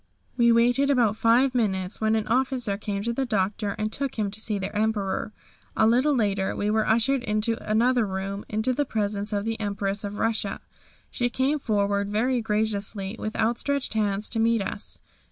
We waited about five minutes when an officer came to the Doctor and took him to see the Emperor. A little later we were ushered into another room into the presence of the Empress of Russia. She came forward very graciously with outstretched hands to meet us.